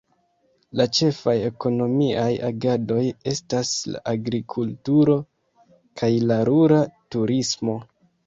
La ĉefaj ekonomiaj agadoj estas la agrikulturo kaj la rura turismo.